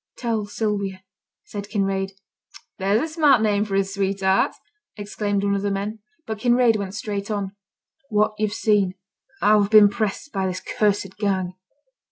'Tell Sylvia,' said Kinraid 'There's a smart name for a sweetheart,' exclaimed one of the men; but Kinraid went straight on, 'What yo've seen; how I've been pressed by this cursed gang.'